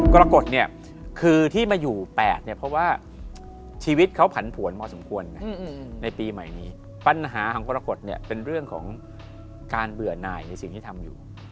กรกฎเนี่ยคือที่มาอยู่๘เนี่ยเพราะว่าชีวิตเขาผันผวนพอสมควรนะในปีใหม่นี้ปัญหาของกรกฎเนี่ยเป็นเรื่องของการเบื่อหน่ายในสิ่งที่ทำอยู่